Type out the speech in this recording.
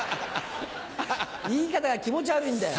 言い方が気持ち悪いんだよ。